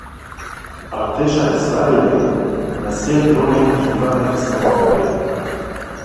Artêşa Îsraîlê, me sê dronên Hizbulahê xistin xwarê.